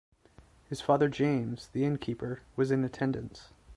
His father James, the Innkeeper, was in attendance.